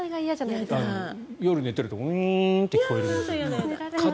夜寝ているとブーンって聞こえるんです。